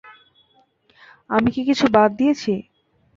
আমি কি কিছু বাদ দিয়েছি?